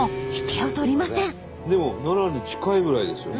でも奈良に近いぐらいですよね。